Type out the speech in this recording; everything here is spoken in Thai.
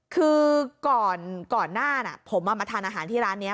คือก่อนก่อนหน้าน่ะผมอ่ะมาทานอาหารที่ร้านเนี้ย